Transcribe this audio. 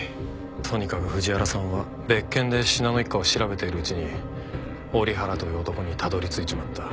とにかく藤原さんは別件で信濃一家を調べているうちに折原という男にたどり着いちまった。